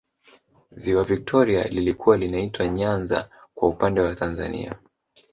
ziwa victoria lilikuwa linaitwa nyanza kwa upande wa tanzania